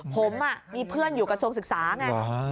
ผมมีเพื่อนอยู่กระทรวงศึกษาไง